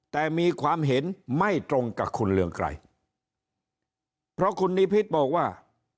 แต่มีความเห็นไม่ตรงกับคุณเรืองไกรเพราะคุณนิพิษบอกว่า